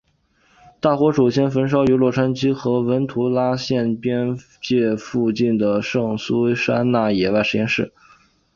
大火首先焚烧位于洛杉矶和文图拉县边界附近的圣苏珊娜野外实验室。